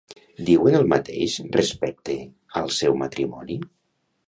Diuen el mateix respecte al seu matrimoni?